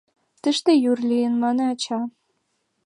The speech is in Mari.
«Тыште йӱр лийын», — мане ача.